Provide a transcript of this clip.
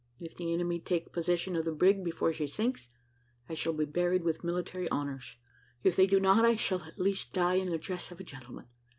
If the enemy take possession of the brig before she sinks, I shall be buried with military honours; if they do not, I shall at least die in the dress of a gentleman.